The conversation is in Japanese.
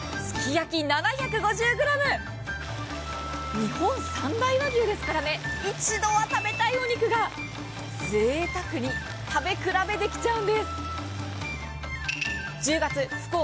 日本三大和牛ですからね、一度は食べたいお肉がぜいたくに食べ比べできちゃうんです。